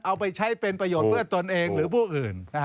เอาไปใช้เป็นประโยชน์เพื่อตนเองหรือผู้อื่น